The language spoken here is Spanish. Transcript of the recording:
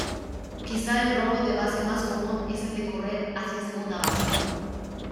Quizá el robo de base más común es el de correr hacia segunda base.